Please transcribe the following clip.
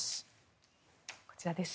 こちらです。